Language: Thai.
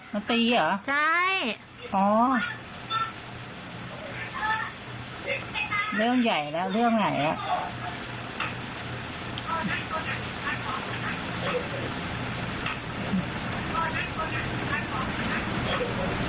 มันตีเหรอใช่อ๋อเรื่องใหญ่แล้วเรื่องใหญ่แล้ว